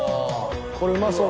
これうまそうだ。